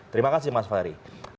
terima kasih mas valery